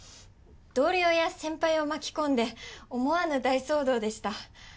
同僚や先輩を巻き込んで思わぬ大騒動でした。